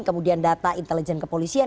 kemudian data intelijen kepolisian